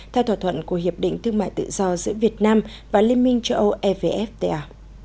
theo thỏa thuận của hiệp định thương mại tự do giữa việt nam và liên minh châu âu evfta